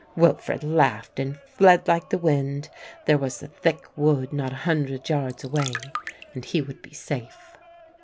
Wilfred laughed and fled like the wind; there was a thick wood not a hundred yards away and he would be safe.